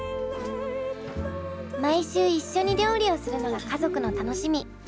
毎週一緒に料理をするのが家族の楽しみ。